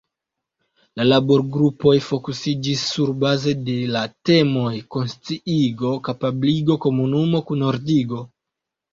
La laborgrupoj fokusiĝis surbaze de la temoj konsciigo, kapabligo, komunumo, kunordigo.